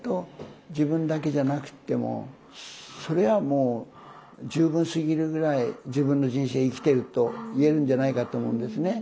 自分だけじゃなくってもそれはもう十分すぎるぐらい自分の人生生きてると言えるんじゃないかと思うんですね。